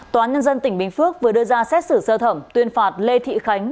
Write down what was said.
tòa án nhân dân tỉnh bình phước vừa đưa ra xét xử sơ thẩm tuyên phạt lê thị khánh